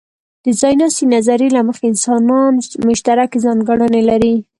د ځایناستې نظریې له مخې، انسانان مشترکې ځانګړنې لري.